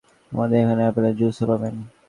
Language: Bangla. আমাদের এখানে আপেলের জুসও পাবেন।